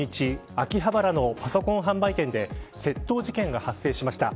秋葉原のパソコン販売店で窃盗事件が発生しました。